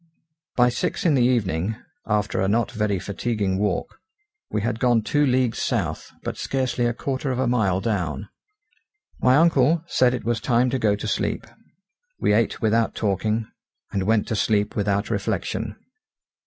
By six in the evening, after a not very fatiguing walk, we had gone two leagues south, but scarcely a quarter of a mile down. My uncle said it was time to go to sleep. We ate without talking, and went to sleep without reflection.